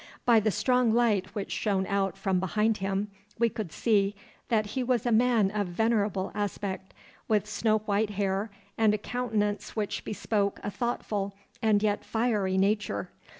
By the strong light which shone out from behind him we could see that he was a man of venerable aspect, with snow white hair and a countenance which bespoke a thoughtful and yet fiery nature.